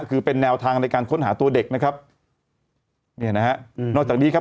คือเป็นแนวทางในการค้นหาตัวเด็กนะครับเนี่ยนะฮะอืมนอกจากนี้ครับ